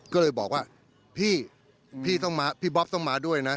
ก็เลยบอกว่าพี่พี่บ๊อบต้องมาด้วยนะ